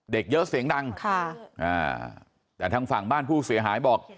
เด็กเยอะเสียงดังค่ะอ่าแต่ทางฝั่งบ้านผู้เสียหายบอก